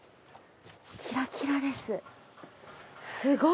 キラキラです。